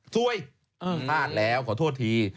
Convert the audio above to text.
สวยพลาดแล้วขอโทษที